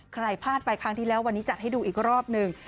ใครพลาดไปครั้งที่แล้ววันนี้จัดให้ดูอีกรอบหนึ่ง